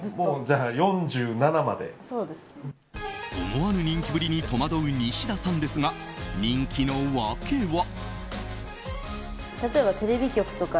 思わぬ人気ぶりに戸惑うニシダさんですが人気の訳は。